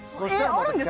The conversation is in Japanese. あるんですか？